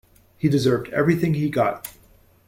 He deserved everything he got!